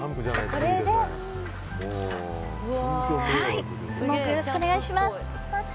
これでよろしくお願いします。